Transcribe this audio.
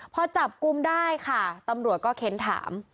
พอจับกลุ่มได้ค่ะตำรวจก็เค้นถาม